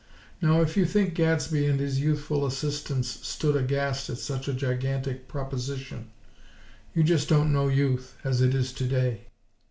Now, if you think Gadsby and his youthful assistants stood aghast at such a gigantic proposition, you just don't know Youth, as it is today.